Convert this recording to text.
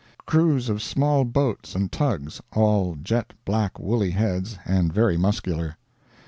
Crews of small boats and tugs, all jet black woolly heads and very muscular.